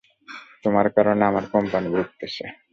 তোমার কারণে আমার কোম্পানি ভুগতেছে?